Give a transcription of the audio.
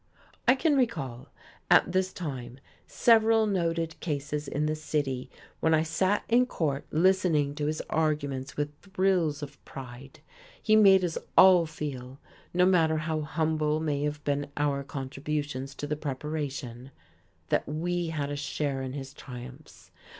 I can recall, at this time, several noted cases in the city when I sat in court listening to his arguments with thrills of pride. He made us all feel no matter how humble may have been our contributions to the preparation that we had a share in his triumphs.